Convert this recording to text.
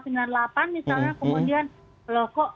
misalnya kemudian loh kok